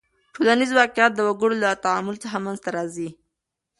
ټولنیز واقعیت د وګړو له تعامل څخه منځ ته راځي.